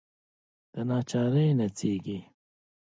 دناچارۍ نڅیږې